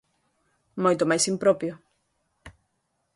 ¡Moito máis impropio!